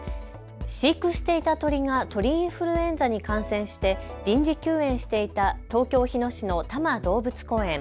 飼育していた鳥が鳥インフルエンザに感染して臨時休園していた東京日野市の多摩動物公園。